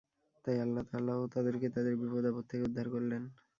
তাই আল্লাহ তাআলাও তাদেরকে তাদের বিপদাপদ থেকে উদ্ধার করলেন।